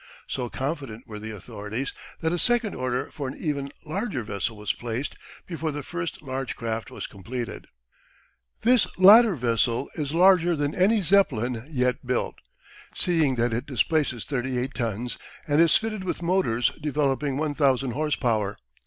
So confident were the authorities that a second order for an even larger vessel was placed before the first large craft was completed. This latter vessel is larger than any Zeppelin yet built, seeing that it displaces 38 tons, and is fitted with motors developing 1,000 horse power.